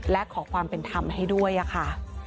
และขอความเป็นธรรมให้ด้วยค่ะ